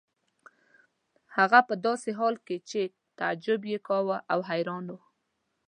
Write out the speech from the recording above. هغه په داسې حال کې چې تعجب یې کاوه او حیران و.